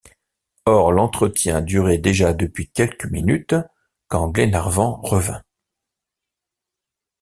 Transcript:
Or, l’entretien durait déjà depuis quelques minutes, quand Glenarvan revint.